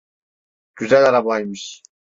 Güzel arabaymış.